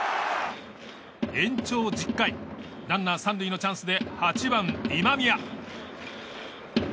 延長１０回ランナー３塁のチャンスで８番、今宮。